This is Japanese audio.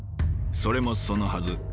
それもそのはず。